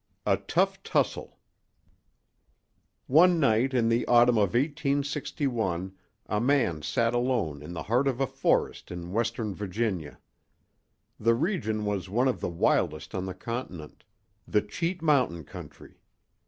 A TOUGH TUSSLE ONE night in the autumn of 1861 a man sat alone in the heart of a forest in western Virginia. The region was one of the wildest on the continent—the Cheat Mountain country.